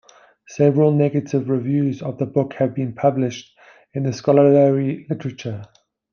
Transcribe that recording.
Several negative reviews of the book have been published in the scholarly literature.